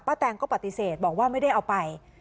แตงก็ปฏิเสธบอกว่าไม่ได้เอาไป